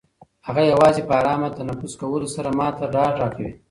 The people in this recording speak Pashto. هغه یوازې په ارامه تنفس کولو سره ما ته ډاډ راکوي.